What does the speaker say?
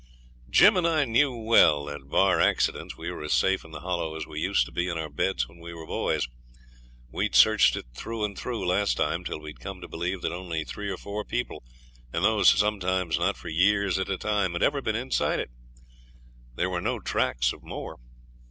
Jim and I knew well that, bar accidents, we were as safe in the Hollow as we used to be in our beds when we were boys. We'd searched it through and through last time, till we'd come to believe that only three or four people, and those sometimes not for years at a time, had ever been inside of it. There were no tracks of more.